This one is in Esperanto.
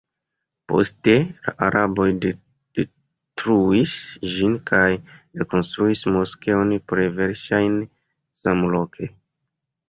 Poste la araboj detruis ĝin kaj rekonstruis moskeon plej verŝajne samloke.